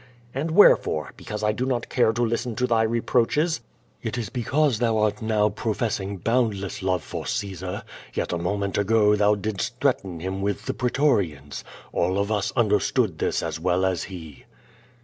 "And wherefore? Because I do not care to listen to thy reproaches?" "It is because thou art now professing boundless love for Caesar, yet a moment ago thou didst threaten him with the pretorians. All of us understood this as well as he."